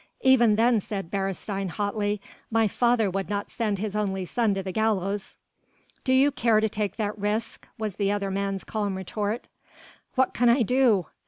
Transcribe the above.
"Even then," said Beresteyn, hotly, "my father would not send his only son to the gallows." "Do you care to take that risk?" was the other man's calm retort. "What can I do?"